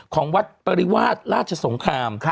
ของวัดปริวาสราชสงคราม